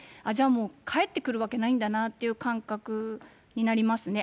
もう、返ってくるわけないんだなっていう感覚になりますね。